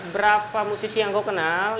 berapa musisi yang gue kenal